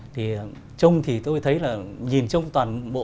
thì trông thì tôi thấy là nhìn trông toàn bộ